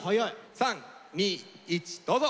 ３２１どうぞ！